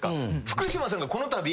福島さんがこのたび。